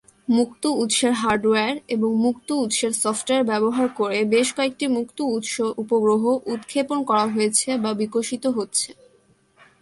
মুক্ত উৎসের হার্ডওয়্যার এবং মুক্ত উৎসের সফ্টওয়্যার ব্যবহার করে বেশ কয়েকটি মুক্ত উৎস উপগ্রহ উৎক্ষেপণ করা হয়েছে বা বিকশিত হচ্ছে।